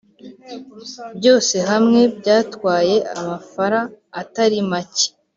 Byose hamwe byatwaye amafara Atari macye